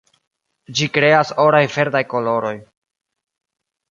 Ĝi kreas oraj-verdaj koloroj.